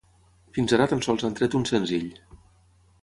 Fins ara tan sols han tret un senzill.